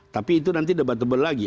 tapi itu nanti debat tebal lagi